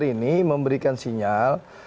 ini memberikan sinyal